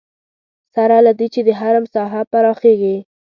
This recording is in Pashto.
سره له دې چې د حرم ساحه پراخېږي.